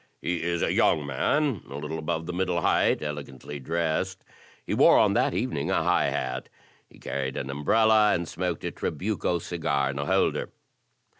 He is a yoimg man, a little above the middle height, elegantly dressed. He wore on that evening a high hat. He carried an umbrella, and smoked a trabucos cigar in a holder."